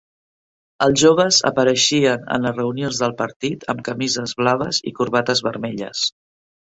Els joves apareixien en les reunions del partit amb camises blaves i corbates vermelles.